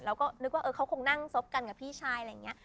เราก็นึกว่าเขาคงนั่งซบกันกับพี่ชายอะไรอย่างนี้